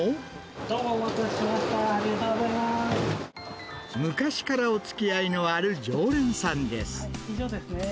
どうもお待たせしました、昔からおつきあいのある常連さんです。